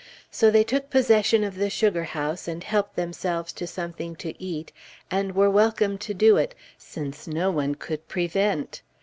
So they took possession of the sugar house, and helped themselves to something to eat, and were welcome to do it, since no one could prevent!